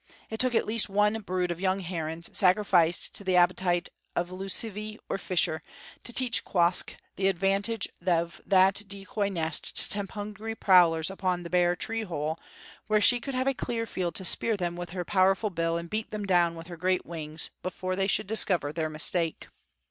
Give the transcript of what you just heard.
It took at least one brood of young herons, sacrificed to the appetite of lucivee or fisher, to teach Quoskh the advantage of that decoy nest to tempt hungry prowlers upon the bare tree hole where she could have a clear field to spear them with her powerful bill and beat them down with her great wings before they should discover their mistake.